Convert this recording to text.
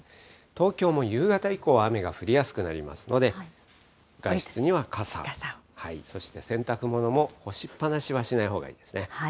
東京も夕方以降は、雨が降りやすくなりますので、外出には傘を、そして洗濯物も干しっ放しはしないほうがいいですね。